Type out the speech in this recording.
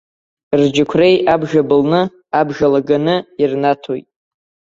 Рџьықәреи абжа былны, абжа лаганы ирнаҭоит.